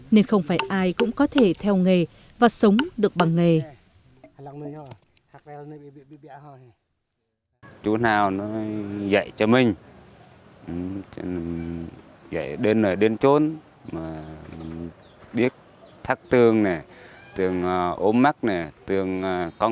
nên không phải ai cũng có thể đánh giá trị bản sắc văn hóa dân tộc